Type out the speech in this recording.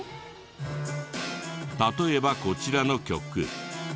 例えばこちらの曲。